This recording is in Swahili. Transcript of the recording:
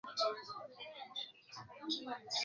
imesema vikosi hivyo vinatuma ujumbe kwa Moscow kwamba